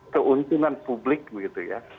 keuntungan publik gitu ya